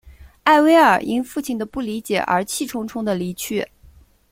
艾薇尔因父亲的不理解而气冲冲地离去。